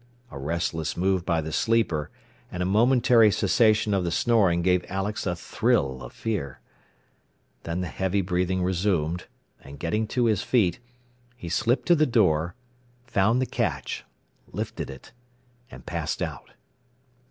A restless move by the sleeper and a momentary cessation of the snoring gave Alex a thrill of fear. Then the heavy breathing resumed, and getting to his feet, he slipped to the door, found the catch, lifted it, and passed out.